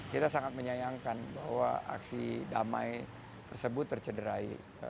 kita sangat menyayangkan bahwa aksi damai tersebut tercederai